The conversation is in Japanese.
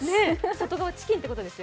外側はチキンということですよ。